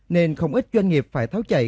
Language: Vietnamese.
nên không ít doanh nghiệp phải tháo chạy